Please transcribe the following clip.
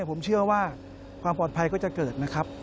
ผมเชื่อว่าความปลอดภัยก็จะเกิดนะครับ